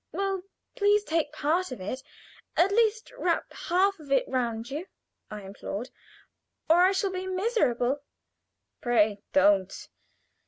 "Well, please take part of it. At least wrap half of it round you," I implored, "or I shall be miserable." "Pray don't.